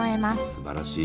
すばらしい。